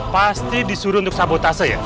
pasti disuruh untuk sabotase ya